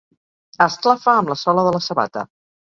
Esclafa amb la sola de la sabata.